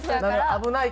危ない。